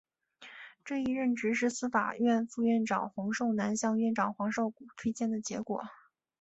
这一任职是司法院副院长洪寿南向院长黄少谷推荐的结果。